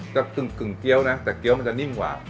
จะกึ่งเย้วนะแต่เก็วเนี้ยมันจะนิ่มกว่า